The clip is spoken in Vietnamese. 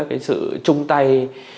cái sự chung tay